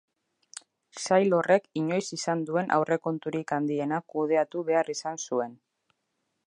Sail horrek inoiz izan duen aurrekonturik handiena kudeatu behar izan zuen.